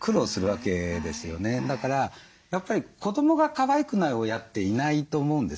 だから子どもがかわいくない親っていないと思うんです。